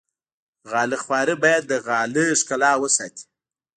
غاله خواره باید د غالۍ ښکلا وساتي.